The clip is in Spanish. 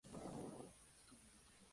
El parlamento nunca se reunió.